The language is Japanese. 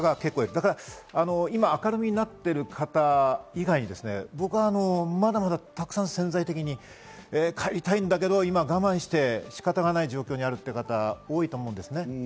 だから今明るみになってる方以外に僕はまだまだたくさん潜在的に帰りたいんだけど今我慢して仕方がない状況にあるっていう方多いと思うんですね。